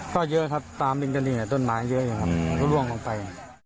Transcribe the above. ก็เยอะครับตามลิงกะลิงเนี่ยต้นไม้เยอะอย่างนี้ครับล่วงลงไป